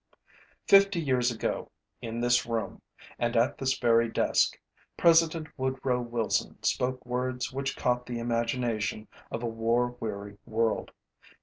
Fifty years ago, in this room, and at this very desk, President Woodrow Wilson spoke words which caught the imagination of a war weary world.